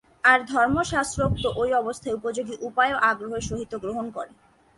আর ধর্মশাস্ত্রোক্ত ঐ অবস্থার উপযোগী উপায়ও আগ্রহের সহিত গ্রহণ করে।